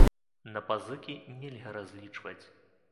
На пазыкі нельга разлічваць.